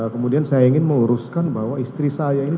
kemudian saya ingin meluruskan bahwa istri saya ini